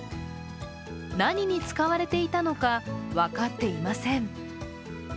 何に使われていたのか分かっていません。